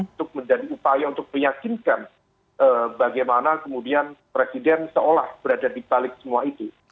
untuk menjadi upaya untuk meyakinkan bagaimana kemudian presiden seolah berada di balik semua itu